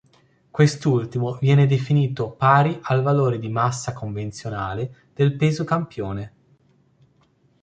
Quest'ultimo viene definito pari al valore di massa convenzionale del peso campione.